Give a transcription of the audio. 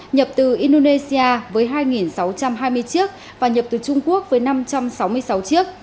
nhập từ indonesia với hai sáu trăm hai mươi chiếc và nhập từ trung quốc với năm trăm sáu mươi sáu chiếc